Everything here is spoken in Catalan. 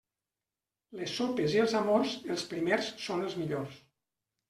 Les sopes i els amors, els primers són els millors.